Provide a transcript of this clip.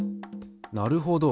なるほど。